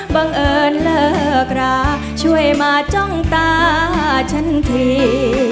บังเอิญเลิกราช่วยมาจ้องตาฉันที